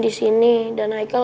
disini dan haikal